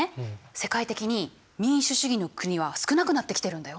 世界的に民主主義の国は少なくなってきてるんだよ。